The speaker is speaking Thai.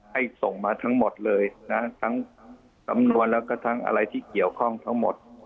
ส่งมาทั้งหมดเลยนะทั้งสำนวนแล้วก็ทั้งอะไรที่เกี่ยวข้องทั้งหมด